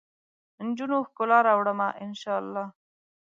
نجونو ؛ ښکلا راوړمه ، ان شا اللهدا